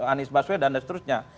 anies baswedan dan seterusnya